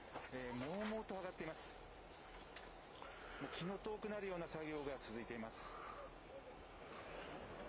もう気の遠くなるような作業が続いています。